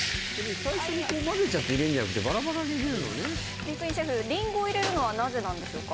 最初にまぜちゃって入れんじゃなくてバラバラに入れるのね三國シェフりんごを入れるのはなぜなんでしょうか？